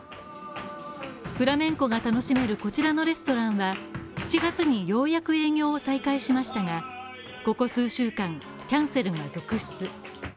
フラメンコが楽しめるこちらのレストランは、７月にようやく営業を再開しましたが、ここ数週間、キャンセルが続出。